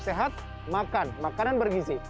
sehat makan makanan bergizi